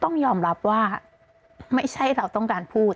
ต้องยอมรับว่าไม่ใช่เราต้องการพูด